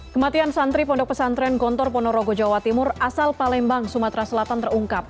kematian santri pondok pesantren gontor ponorogo jawa timur asal palembang sumatera selatan terungkap